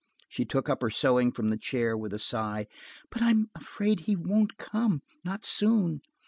She took up her sewing from the chair with a sigh. "But I'm afraid he won't come–not soon.